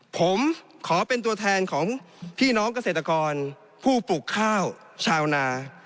ผมขอเป็นตัวแทนของพี่น้องเกษตรกรผู้ปลูกข้าวชาวนา